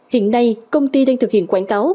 hiện nay công ty đang thực hiện quảng cáo